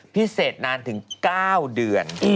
พิเศษนานถึง๙เดือน